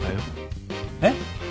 えっ？